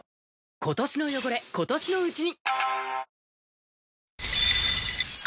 今年の汚れ、今年のうちに。